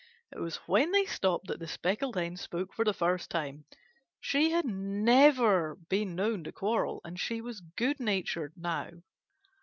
It was when they stopped that the Speckled Hen spoke for the first time. She had never been known to quarrel, and she was good natured now.